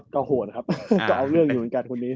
ก็โหดครับก็เอาเรื่องอยู่เหมือนกันคนนี้